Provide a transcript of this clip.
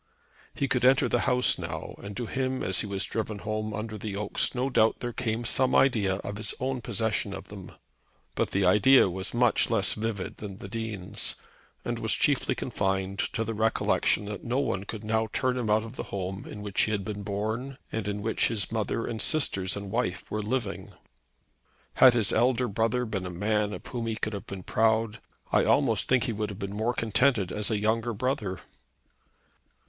He could enter the house now, and to him as he was driven home under the oaks no doubt there came some idea of his own possession of them. But the idea was much less vivid than the Dean's, and was chiefly confined to the recollection that no one could now turn him out of the home in which he had been born and in which his mother and sisters and wife were living. Had his elder brother been a man of whom he could have been proud, I almost think he would have been more contented as a younger brother.